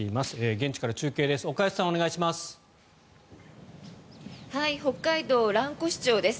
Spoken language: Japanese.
現地から中継です。